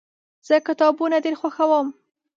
زه کتابونه ډیر خوښوم.